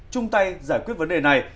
trung tay giải quyết vấn đề này